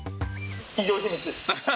企業秘密です。